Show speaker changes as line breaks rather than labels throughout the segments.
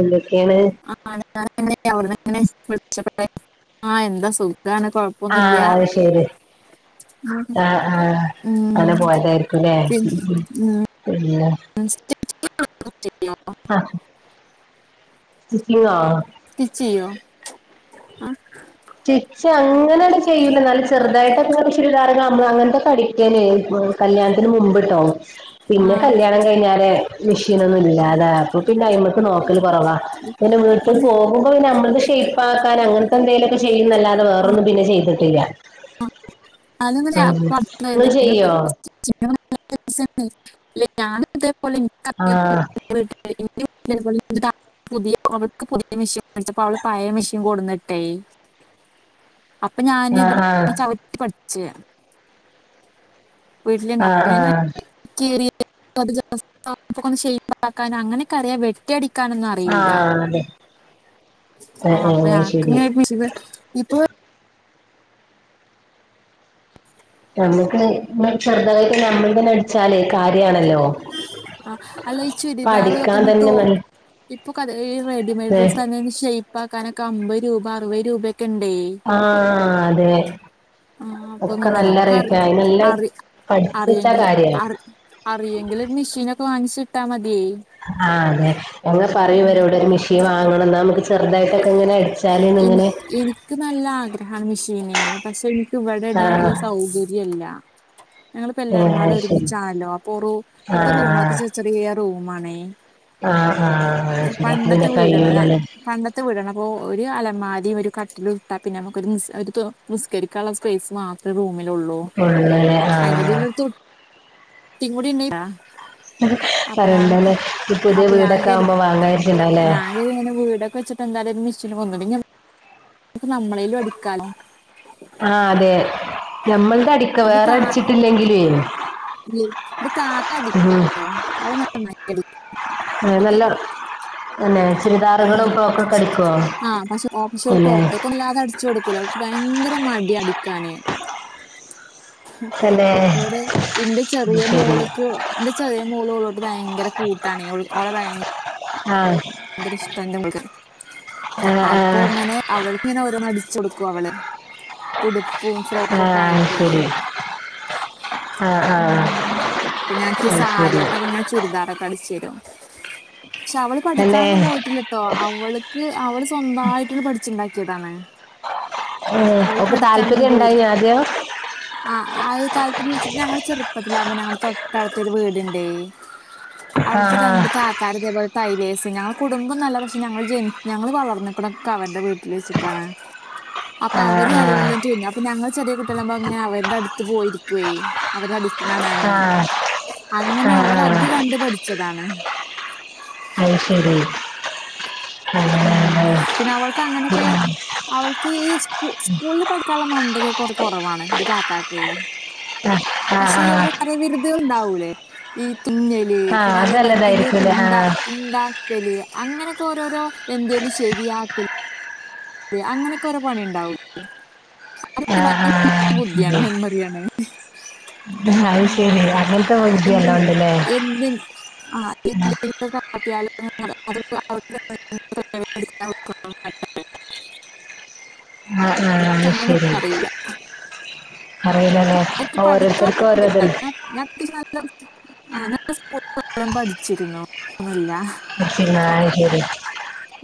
എന്തൊക്കെയാണ്
ആൾകരോകെഅവ്‌ട്ന് വിളിച്ചപ്പകെ ആ എന്താ സുഖാണ് കൊ
അ്ഹ അത് ശെരി. അ്ഹ അ്ഹ
ഉം
അങ്ങനെ പോയതായിരിക്കും അല്ലേ
പി- ഉം
പിന്നെ
[unintelligible]
അ്ഹ സ്‌റ്റിജ്ജിങ്ങാ
സ്‌റ്റിജ്ജ് ചെയ്യോ ആ,
സ്റ്റിച് അങ്ങനെട്ട് ചെയ്യൂല്ല എന്നാലും ചെറുതായിട്ടൊ ചുരിദാറ് കാണുമ്പോ അങ്ങനത്തെക്കെ അടികേനി. കല്യാണത്തിന് മുമ്പ്ട്ടോ
ആ
പിന്നെ കല്യാണം കഴിഞ്ഞാരെ മിഷയിനെന്നും ഇല്ല തഅല്ലെ അപ്പൊ പിന്നെ അയിമേയ്ക്ക് നോക്കല് കുറവാ പിന്നെ വീട്ട
ഒന്ന്
പോവു അപ്പോ പിന്നെ നമ്മക്ക് ഷൈപ്പ് ആക്കാൻ അങ്ങനത്തെ എന്തെലും. ചെയ്യുന്നതല്ലാതെ വേറൊന്നും പിന്നെ ചെയ്തിട്ടില്ല.
അതന്ന് രാ
ഉം
പുറത്ത്
ഇങ്ങള്
എന്തങ്കിലും
ചെയ്യോ
[unintelligible] [unintelligible] രാവിലത്തെ പോലെ
ആ
[unintelligible] [unintelligible] പുതിയ അവൾക്ക് പുതിയ മെഷീൻ മേടിച്ചപ്പോ അവള് പഴയ മെഷീൻ കൊടുന്നിട്ടെ. അപ്പൊ ഞൻ
ആ
ഇത് ചവിട്ടി പഠിച്ച് വീട്ടില്
ആ ആ
അപ്പേഴാണ്
ആ
കീറിയതും അത് ജെസ്‌റ്റ് ഷൈപ്പ് ആക്കാനും അങ്ങനെയൊക്കെ അറിയാം വെട്ടി അടിക്കനൊന്നും അറിയൂല.
ആഹ് അതെ
ആ
ആഹ്
അപ്പോ
ആഹ് ശരി
ലാക്കിങ് ഒരു മെഷന് ഇ ഇപ്പൊ
ഞമ്മക് [unintelligible] ചെറുതതായിട്ട് നമ്മൾ തന്നെ അടിച്ചാല് കാര്യണല്ലോ?
ആഹ് അല്ല ഈ ചുരിദാർ ഒക്കെ നമ്മൾ തോ
തന്നെ നല്ല
ഇപ്പൊ ക ഈ റെഡിമെയ്ഡ്
ഏഹ്
ഡ്രസ് അരെ ഷൈ പാക്കാനൊക്കെ അമ്പത് രൂപ അറുപത് രൂപയക്കെ ഉണ്ടേ.
അ്ഹ അതെ
ആ അപ്പൊ
ഒക്കെ നല്ല
നിങ്ങൾക്കൊക്കെ അറി
റൈറ്റ അതിനെലം
അറി
പഠിചെ ച്ച
അറിയെങ്കിൽ
കാര്യം.
അറി അറിയെങ്കിൽ ഒരു മെഷീനൊക്കെ വാങ്ങിച്ചിട്ടാ മതി.
ആഹ് അതെ ഒന്ന് പറയുവരട് ഒരു മിഷീൻ വാങ്ങണം എന്ന് ഇന്നാ ചെറുതായിട്ടൊക്കെ ഇങ്ങനെ അച്ചാല് ന്ന് ഇങ്ങനെ
ക്ക് നല്ല ആഗ്രഹാ മിഷീന് പക്ഷെ ഇന്ക്ക് ഇവിടെ
ആഹ്
ഇടാനുള്ള സൗകര്യല്ല ഞങ്ങളി ഇപ്പോ എല്ലാരും
ഏഹ്
പാടെ
അത് ശരി
ഒരുമിച്ചായല്ലോ അപ്പൊ റു ഇവിടുത്തെ റൂമാളൊക്കെ
ആഹ്
ചെറി ചെയ്യ റൂമാണേ
ആഹ് ആഹ് ശരി അപ്പ പിന്നെ
പണ്ടത്തെ വീടാണ്.
കഴിയൂലല്ലേ
പണ്ട ത്ത് വിടണം. അപ്പോ ഒരു അലമാരിം ഒരു കട്ടില് ഇട്ടാ പിന്നെ, നമുക്കൊര് നിസ്കരിക്കാനുള്ള സ്പേസ് മാണ രു റൂമിലൊള്ളൂ.
ഉള്ളല്ലേ
അയിന്റെ
ആഹ്
ടീല് ഓര് തൊട്ടി കൂടെണ്ടേ
പറയണ്ട ല്ലേ! നി പുതിയ വീടൊക്കെ ആവുമ്പോ വാങ്ങാചാരിച്ച് ണ്ടാവുല്ലേ?
[unintelligible] വീടൊക്കെവെച്ച്ട്ട്ന്താലും ഓര് മെഷീന് വാങ്ങണം ക്ക് നമ്മളേലും അടിക്കാലോ!.
ആഹ്, അതെ ഞമ്മൾത് അടി
ന്റെ താ ന്റെതാത്ത
ഉം.
അനിക്കൂട്ടോ അവളെ [inaudible]
അഹ്, നല്ലാ അല്ലെ?
ആ,
ചുരിദാറുകളും ടുപ്പൊക്കെ പ്പൊ അടിക്കോ? എല്ലേ
ചോട്ക്കൂല അവള്ക്ക് ഭയങ്കര മടി അടിക്കാന്
അല്ലേ
വടെ, ഇന്റെ
ഉം,
ചെറിയ
ശരി
മോള്ക്ക് ന്റെ ചെറിയ മോളു ഒള്ളോട്ട് ഭയൻങ്കര കൂട്ടാണ് ഓളെ ഭയങ്ക
ആഹ
ഭയങ്കര ഇഷ്ടാ ന്റെ മോൾക്.
ആ ആ
അപ്പൊ ങ്ങനെ അവൾക്ക്ങ്ങെ ഓരോന്ന് അടിച്ചൊട്ക്കും അവള്. ഉടുപ്പും
ആ
ഫ്രോക്കൊക്കെ ആയിട്ടേ
ശരി ആ ആ
ഉ പിന്നെ നച്ചി
ആ, ശരി
സാരിയോട്ടൊക്കെങ്ങന ചുരിദാറൊക്കെ അടിച്ചെരും. പക്ഷെ, അവള്
അല്ലേ
പഠിക്കാനൊന്നും പോയിട്ടില്ല ട്ടോ അവള്ക്ക് അവള് സ്വന്തമായിട്ട്ണ്ട് പഠിച്ച്ണ്ടാക്കിയതാണ്
ഉം. ഓൾക്ക് താല്പര്യം ണ്ടേയ്നോ ആദ്യം?
ആഹ്, ആ [unintelligible] ഞങ്ങൾ ചെറുപ്പത്തിലാകുമ്പോ ഞങ്ങളെ തൊട്ടടുത്തൊരു വീട്ണ്ടേയ്!.
ആ ആ
അവിടുത്തെ രണ്ട് താത്താര് ഇതേപോലെ ടൈലേയ്സ് ഞങ്ങൾ കുടുംമ്പൊന്നല്ല. പക്ഷെ, ഞങ്ങൾ ജനി, ഞങ്ങള് വളർന്ന്ക്ക്ണൊക്കെ അവര്ടെ വീട്ടിൽ വെച്ചിട്ടാണ്. അപ്പൊ,
ആ
അവര് നല്ലം തുന്നും. ഞങ്ങൾ ചെറിയെ കുട്ടികളാവുമ്പോ ങ്ങെ അവെര്ടെ അടുത്ത് പോയിരിക്കൊയ്, അവരുടെ അടു ങ്ങനാണ്.
ആ ആ ആ ആ
അങ്ങനെ അവളത് കണ്ട്പഠിച്ചതാണ്.
അത് ശെരി
ഉം പിന്നെ അവൾക്ക് അങ്ങനെക്കെ അവൾക്ക്, ഈ.. സ്‌കൂ, സ്കൂളിൽ പഠിക്കാള്ളെ മണ്ടെക്കെ കൊറച്ച് കൊറവാണ്. ന്റെ താത്താക്കെയ്.
ആഹ് ആഹ്
പശേ, ഈ ഓരോ
ആഹ്
കര വിരുത് കള് ണ്ടാവൂല! ഈ തുന്ന ല്ലേ
ആഹ്
പിന്നെ
അത്
അത മരി
നല്ലതായിരിക്കുംല്ലേ
ന്തെങ്കിലുംക്കെണ്ടാ
ആഹ്
ഉണ്ടാക്കല് അങ്ങനെക്കെ ഓരോരോ എന്തേലും ശരിയാക്കല് അങ്ങനൊക്കെ ഒരോ പണി ഉണ്ടാവുള്ളൂ.
ആഹ്
[unintelligible]
ആഹ്
ബുദ്ധിയാണ്
ശരി
മെമ്മറിയാണ്
അത് ശരി
ആഹ്,
അങ്ങനത്തെ വിദ്യയെല്ലാം ഉണ്ടല്ലേ
[inaudible] [inaudible] [inaudible]
ആഹ്, അഹ്,
എനിക്ക്
അയ് ശെരി.
അങ്ങനെയൊന്നും അറിയൂല
അറിയില്ലല്ലേ
എനിക്ക് പഠിക്കാൻ
ഓരോരുത്തർക്ക്
പോകുന്നില്ല.
ഓരോതല്ല
ഞാൻ അത്യാവശ്യം നല്ല സ്കൂളും പഠിച്ചിരുന്നു ഇല്ല
ഇന്നാ ആയി ശരി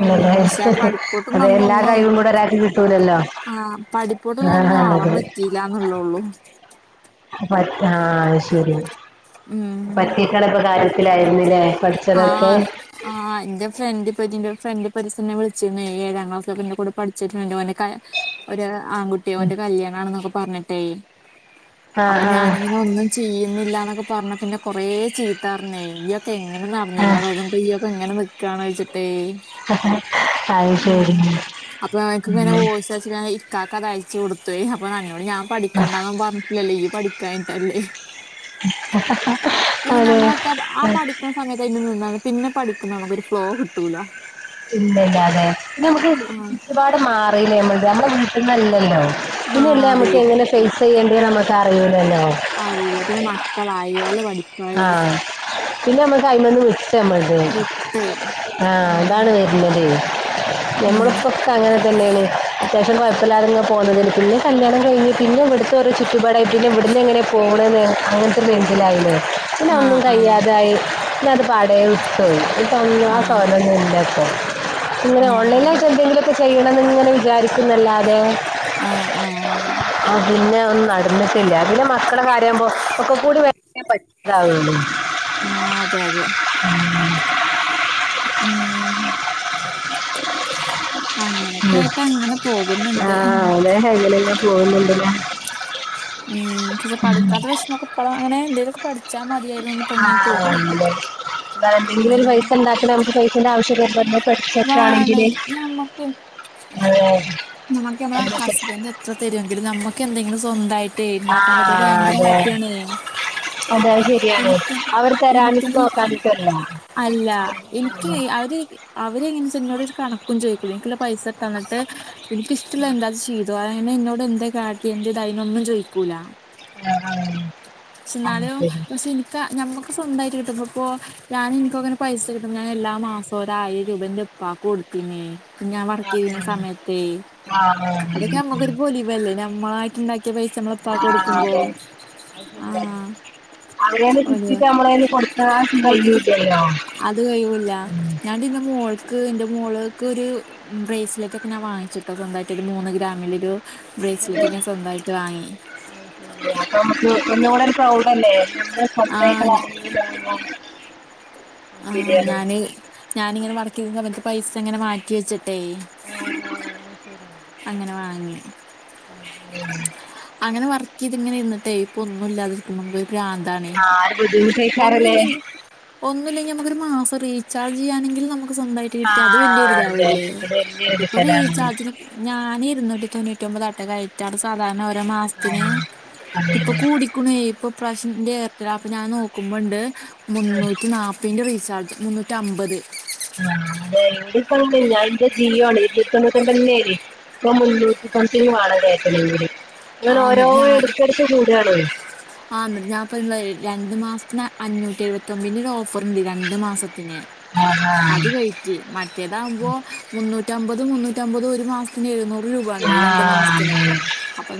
ഉം പക്ഷെ ആ
ഹ്, ഹ്.
പഠിപ്പോട്ടൊന്നും
ന്താ എല്ലാ കഴിവും കൂടെ ഒരാക്ക് കിട്ടൂലല്ലോ?
ആഹ് പഠിപ്പോണ്ട് ള്ള ഒന്നും
ആഹ്
ആവാൻ
അതെ
പറ്റിയില്ലന്ന്ള്ളൊള്ളൂ.
ആഹ്, അയ്ശെരി.
ഉം
പറ്റിക്കണേൽ പ്പൊ കാര്യത്തിലായേര്ന്ന്ല്ലേ?
ആഹ്, ആഹ് ന്റെ ഫ്രണ്ട് പരിനെ ഫ്രൻറ് പരീസം ന്നെ വിളിച്ചിന്നു ഏഴാം ക്ലാസ്സ് പിന്നെ കൂ പഠിച്ചിർണ് ഓൻ്റെ ക ഒരു ആൺകുട്ടി ഓന്റെ കല്യാണാണെന്നൊക്കെ പറഞ്ഞിട്ടെ അപ്പൊ
ആഹ് ആഹ്
ഞാനിങ്ങനെ ഒന്ന് ചെയ്യുന്നില്ലാന്നൊക്കെ പറഞ്ഞ് പിന്നെ കൊറേ ചീത്തർഞ്ണേ ഇയൊക്കെ എങ്ങനെ
ആഹ്
നടന്ന് പ്പയ്യൊക്ക ഇങ്ങനെ നിക്കാണോയ്ച്ചിട്ടെ
അത്
ഉം
ശരി
അപ്പം അയാക്ക് ഇങ്ങനെ
ഉം
വോയ്‌സ് മെസേജ് കാക്ക അത് അയച്ചു കൊടുത്ത് അപ്പൊ അന്നോട് ഞാൻ പഠിക്കണ്ടന്നും പറഞ്ഞിട്ടില്ലല്ലോ ഈ പഠിക്കായിട്ടല്ലേ ചേച്ചി നമ്മളൊക്കെ ആ
അതെ
പഠിക്കുന്ന സമയത്ത് നിന്നാ പിന്നെ പഠിക്കുന്ന നമുക്കൊരു ഫ്ലോ കിട്ടൂല
ഇല്ലല്ല അതെ പിന്നെ നമുക്ക്
ആഹ്
ചുറ്റുപാട് മാറില്ലേ നമ്മ നമ്മളെ വീട്ടന്നല്ലല്ലോ പിന്നെല്ലേ
മാറി
നമുക്ക് എങ്ങനെ ഫേസ് ചെയ്യേണ്ട നമ്മുക്ക് അറിയൂലല്ലോ
അതല്ല പിന്നെ മക്കളായി ഓലെ പഠി
ആഹ് പിന്നെ നമ്മക്ക് അയ്മന്ന് വി ട്ട് നമ്മൾത്
വിട്ട്
ആ അതാണ്
ഉം
വരുന്നത്
ഉം
നമ്മളിപ്പോ അങ്ങനെ തന്നെയാണ് അത്യാവശ്യം കുഴപ്പമില്ലാതങ്ങനെ പോകുന്നത്തി പിന്നെ കല്യാണം കഴിഞ്ഞ് പിന്നെ ഇവിടു ഇ ഒരു ചുറ്റുപാടായിട്ട് പിന്നെ ഇവിടുന്ന് എങ്ങനെ പോകണന്ന് അങ്ങനത്തെ ഒരു മൈന്റിയിലേ പിന്നെ ഒന്നും
ആഹ് ആഹ്
കഴ്യാതെ പിന്നെ അത് പാടേ വിട്ടോയി പിന്നെ ആ
ആഹ്
സൊഹലൊന്നും ഇല്ല പ്പം ഉപ്പൊ ഇങ്ങനെ
ആഹ്
ഓൺലൈനായിട്ട് എന്തേലൊ ചെയ്യണമെന്ന് ഇങ്ങനെ വിചാരിക്കുന്നല്ലാതെ
ആഹ് ആഹ്
ആ പിന്നെ ഒന്നും നടന്നിട്ടില്ല പിന്നെ മക്കളെ കാര്യയാവുമ്പോ ഒക്കെ കൂടി പറ്റാതാവുള്ളൂ
ആഹ് അതെ അതെ ഉം അങ്ങനെയൊക്കെ
ഉം.
ആയിട്ട് അങ്ങനെ പോകുന്നുണ്ട്
ആഹ് അതെ എങ്ങനെ ഇങ്ങനെ പോകുന്നുണ്ടല്ലോ
ഉം പക്ഷെ പഠിക്കാത്ത വെഷമൊക്കെ അങ്ങനെ എന്തെേലുമൊക്കെ പഠിച്ചാൽ മതിയായി
അതെ എന്തെങ്കിലും
ഉം
പൈസ ഉണ്ടാക്കണ നമുക്ക് പൈസന്റെ ആവശ്യം നമ്മള്
വാണെ
പഠിച്ചക്കാണെങ്കില്
നമ്മക്ക്
അതെ
അത്ര തരുമെങ്കും നമ്മക്ക് എന്തെങ്കിലും സ്വന്തമായിട്ട് ഇണ്ടാക്കാൻ പറ്റിയ
ആഹ്
ഭയങ്കര
അതെ
ഹാപ്പിയാണ്
അതെ അത് ശരിയാണ് അവർ തരാനിട്ടും
എനിക്കനെ
നോക്കാഞ്ഞിട്ടും അല്ല
അല്ല എനിക്ക് അവര് അവര്ങ്ങനേച എന്നോടൊരു കണക്കും ചോദിക്കൂല എനിക്കുള്ള പൈസ തന്നിട്ട് എനിക്കിഷ്ടള്ള എന്താ ചെയ്യും അതുപോലെങ്ങനെ ഇന്നോട് എന്താ കാട്ടി എന്റെ താക്കിണ ഒന്നും ചോദിക്കൂല്ല
ആഹ് ആഹ് അത്
ന്നാലും
ശരി
പക്ഷെ ഞമ്മക്ക് സ്വന്തമായിട്ട് കിട്ടുമ്പപ്പോ ഞമ്മക്ക് എനിക്ക് അങ്ങനെ പൈസ കിട്ടും ഞാൻ എല്ലാ മാസം ഒരായിരം രൂപന്റെ പ്പാക്ക് കൊടുത്തിനെ ഞാൻ വർക്ക് ചെയ്തിരുന്ന സമയത്ത്
ആഹ്
അതൊക്കെ
ആഹ്
നമ്മക്കൊരു പൊലി ല്ലേ നമ്മളായിട്ട് ഉണ്ടാക്കിയ പൈസ നമ്മള് ഇപ്പാക്ക്
ആഹ്
കൊടുക്കുമ്പോ
അതെ അത് ശരി
ആഹ്
അങ്ങനെ
പൊലിവാ
കിട്ടിട്ട് നമ്മളേന്ന് കൊടുക്കാൻ
കൊടുക്കും
കയ്യുലല്ലോ
അത് കഴിയൂല്ല ഞാന് ഇന്റെ മോൾക്ക് എന്റെ മോള്ക്ക് ഒരു ബ്രേസിലറ്റൊക്കെ ഞാൻ വാങ്ങിച്ചുട്ടോ സ്വന്തായിട്ട് ഒരു മൂന്ന് ഗ്രാമിലൊരു ബ്രേസിലിറ്റൊക്കെ ഞാൻ സ്വന്തമായിട്ട് വാങ്ങി
അപ്പൊ നമുക്ക് ഒന്നുകൂടെ ഒരു പ്രൗഡല്ലേ എന്ന്
ആ
സ്വന്തായിട്ട് വാങ്ങിയതാവുമ്പം
ആഹ് ഞാന് ഞാനിങ്ങനെ വർക്ക് ചെയ്ത അവസാനത്തെ പൈസ അങ്ങനെ മാറ്റി വെച്ചിട്ടെ
ഉം ഉം
അങ്ങനെ വാങ്ങി അങ്ങനെ പറ് ഇതിങ്ങനെ ഇിര്നിട്ട് ഇപ്പൊ ഒന്നും ഇല്ലാതെ ഇരിക്കുമ്പ പ്രാന്താണെ
ആ ഒരു ബുദ്ധിമുട്ടേക്കാരല്ലേ
ഒന്നുല്ലെങ്കിൽ നമുക്കൊരു മാസം റീചാർജ് ചെയ്യാനെങ്കിലും നമുക്ക് സ്വന്തമായിട്ട് കിട്ടി അത്
ആഹ് അതെ
വലിയൊരിതാവൂല്ലേ
അത് വലിയൊരു
ഇപ്പൊ
വിഷലാണ്
റീചാർജിനോകെ ഞാൻ ഇരൂന്നൂറ്റി തൊണ്ണൂറ്റി ഒമ്പത് അട്ട കയിഞ റ്റാർ സാധാരണ ഓരോ മാസത്തിന്
ആഹ് അതെ
ഇപ്പൊ
അതെ
കൂടി ഇപ്പൊ പ്രശന്റെ എർട്ടലാപ്പ് ഞാൻ നോക്കുമ്പോണ്ട്
ആഹ്
മുന്നൂറ്റി നാല്പ്പ- പിന്റെ റിചാർജ് മുന്നൂറ്റി അമ്പത്
ആ് അതെ എപ്പ ഞാൻന്റെ ജിയോണ് ഇരുനൂറ്റ് ന്തൊണ്ണൂറ്റൊൻമ്പ തന്നയ് നി ഇപ്പ മുന്നൂട്ടി സംത്തിങ് വേണം കേയക്കണെങ്കില് അങ്ങനെ
ആഹ്
ഓരോ
എന്നിട്ട്
ഇടുക്കടുത്ത് കൂടാണോ
ആ ഞാൻ രണ്ടു മാസത്തിന് അഞ്ഞൂറ്റി എഴുപത്തിമ്പിന്റെ ഒരു ഓഫർ ഉണ്ട് രണ്ട് മാസത്തിന്
ആഹ്
അത് കഴറ്റി മറ്റേതകുമ്പോ മുന്നൂറ്റമ്പത് മുന്നൂറ്റമ്പത്ും ഒരു മാസം ന് ഇരുന്നൂറ് രൂപ ഉണ്ട് ഈ രണ്ട് മാസത്തിന്
ആഹ്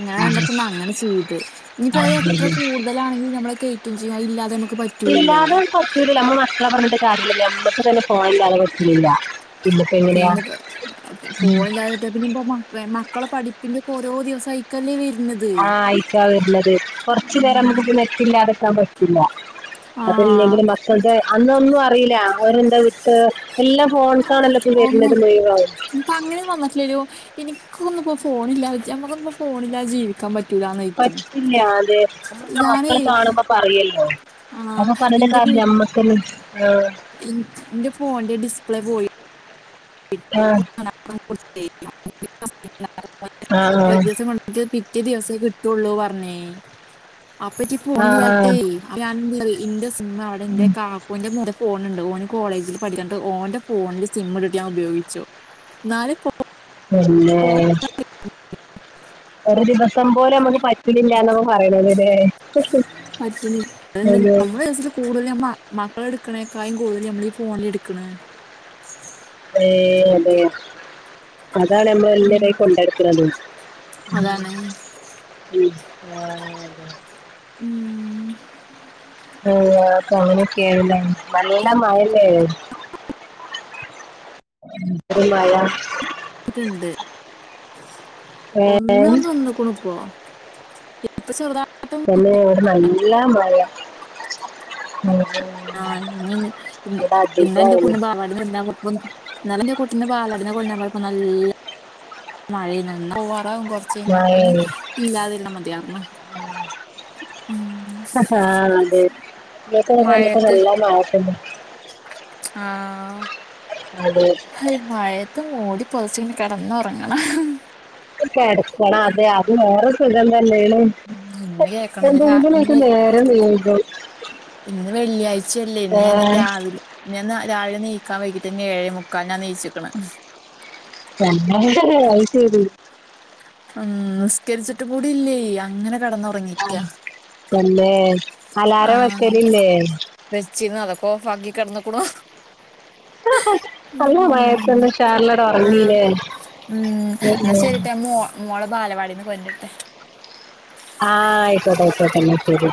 അങ്ങന
അതെ അതെ
കണ്ടപ്പോ അങ്ങനെ ചെയ്ത് ഇനിയിപ്പ അത് എത്ര കൂടുതലാണെങ്കും നമ്മ കയറ്റം ചെയ്യുംഅത് ഇല്ലാതെ നക്ക്
ഇല്ലാതും പറ്റില്ല നമ്മ മകളെ പറഞ്ഞിട്ട് കാര്യമില്ല നമ്മക്കക്ക് തന്നെ പോണ് ഇലാതെ പറ്റണല്ല
പിന്നെ പോണില്ലാറ്റ പിന്നെ ഇ [unintelligible] മക്കളെ പഠിപ്പിന്റെ ഓരോ ദിവസ ആയിക്കല്ലേ വരുന്നത്
ആഹ് ആയിക്കാ വരനത് കൊറച്ചു നേരം
ഉം
നമുക്ക് നെറ്റില്ല അതെക്കാൻ പറ്റില്ല
ആഹ്
അത്ല്ലെങ്കിലും മക്കളുടെ അന്നൊന്നും അറിയില്ല അവരെന്താ വിട്ട എല്ലാം ഫോണക്കാണല്ലാംപ്പ വരുന്നത് മുഴുവൻ
ഇ അങ്ങനെന്നുംന്നട്ടല്ലോ എനിക്കൊന്നിപ്പോ ഫോണില്ലാ നഞമ്മുക്കൊന്നി ഫോണില്ലാതെ ജീവിക്കാൻ പറ്റില്ല
പറ്റിട്ടില്ല അതെ നമ്മൾപ്പം മക്കൾ
ഞാനേ
കാണുമ്പോ പറയല്ലോ
ആഹ്
അതൊന്നും പറഞ്ഞട്ട്
ഇന്റെ വീട്ട്
കാര്യംല്ല നമ്മക് ത്തനെ
എന്റെ ഫോണിന്റെ ഡിസ്പ്ലേ പോയി
ആ, ആ,
വ്യസം കൊ [unintelligible] ഇത് പിറ്റേ ദിവസേ കിട്ടുള്ളൂ പറഞ്ഞേ അപ്പറ്റി
ആ, ആ,
പോണില്ലായിട്ടേ ഞാൻ എന്റെ സിംഹ അവിടെ എന്റെ കാക്ക ഓന്റെ മുത ഫോണുണ്ട് ഓന് കോളേജിൽ പഠിക്കുന്നുണ്ട് ഓന്റെ ഫോണില് സിംഇ റ്റ് ഉപയോഗിച്ചു നാെ
പിന്നെ ഒരു ദിവസം പോലെ നമുക്ക് പറ്റണി ല്ലന്നോ പറിണത് ലെ
പറ്റുന്നു അതെന്ത് നമ്മുടെ കേസിൽ കൂടുതൽ മക്കള എടുക്കണേക്കായും കൂടുതൽ നമ്മൾീഈ ഫോണില എടുക്കണ
ഏ അതെ അതാണ് നമ്മൾ എല്ല
ഉം
കൈ കൊണ്ട എടുക്കുന്നത്
അതാണ്
ആ.
ഉം
ഉക്കെ അങ്ങനെയൊക്കെയല്ല നല്ല മഴല്ലേ എന്തോരു മഴ
ണ്ട്
ഏ
ഒന്ന് പ്പം നിന്ന്ക്ണ് പ്പം [unintelligible]
പിന്നെ എവിടെ നല്ലാമഴയ
ആഹ് എന്താ എന്റെ കുന്റെ പാവാടന്ന് വല്ലാ കുറപ്പൊന്നും എന്നാല എന്റെ കുട്ടിബാലടിന് കൊണ്ട്പോയ പ്പം നല്ല മഴന്ന വറവും കൊറച്ച കഴ അപ്പൊ ഒന്ന്
മഴയാണ്
ഇല്ലാതില്ല മതിയാന്നോ
ഹ അതെ വ ത
മഴയത്ത്
നല്ലാ മായ പിന്നെ
ആഹ
അതെ
ഈ മഴയത്ത് മൂടി പൊതച്ചിങ്ങനെ കിടന്ന ഉറങ്ങണം
കെടക്കണം അതെ അത് വേറെ സുഖം തന്നെയാണ്
ഉ ഇന്ന് കേക്കണം
ഉ [unintelligible]
ഇന്ന് വെള്ളിയാഴ്ചയല്ലേ ഇന്ന് ഞാൻ
ഏഹ്
രാവിലെ ഞാൻ രാവിലെ നീക്കാൻ വൈകിട്ട് ഏഴേ മുക്കാലിനാണ് നീയിച്ചിക്കണ്
[unintelligible] അയ്ശെരി
ഉം നിസ്കരിച്ചിട്ട് കൂടി ഇല്ലേ അങ്ങനെ കെടന്നുറങ്ങി
ആ പിന്നെ അലാറം വക്കലില്ലേ
വെച്ചിരുന്ന് അതൊക്ക ഓഫാക്കി കെടന്നിക്കുണു
ആഹ് നല്ല
ഉം
മഴയത്തു ഉഷാറിലങ്ങാട്
ആഹ്
ഒറങ്ങില്ലേ
ഉം എന്നാ ശരിട്ടാ മോ മോളെ ബാലവാടിന്ന് കൊണ്ട് വരട്ടെ
ആഹ് ആയിക്കോട്ടെ ആയിക്കോട്ടെ എന്നാ ശരി